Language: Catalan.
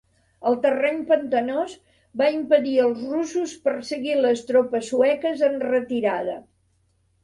El terreny pantanós va impedir als russos perseguir les tropes sueques en retirada.